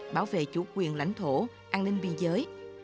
bảo vệ chủ quyền lãnh thổ an ninh biên giới